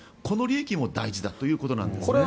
この利益も大事だということなんですね。